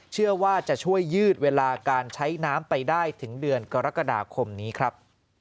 เชื่อว่าจะช่วยยืดเวลาการใช้น้ำไปได้ถึงเดือนกรกฎาคมนี้ครับ